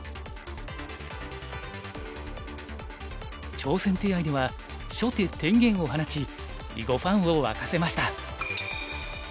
挑戦手合では初手天元を放ち囲碁ファンを沸かせました。